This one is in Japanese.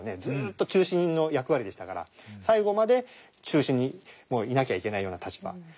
ずっと中心の役割でしたから最後まで中心にいなきゃいけないような立場。